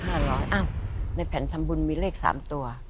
อ้าวในแผนทำบุญมีเลข๓ตัว